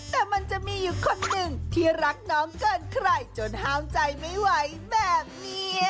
แต่มันจะมีอยู่คนหนึ่งที่รักน้องเกินใครจนห้ามใจไม่ไหวแบบนี้